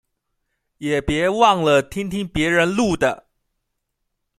也別忘了聽聽別人錄的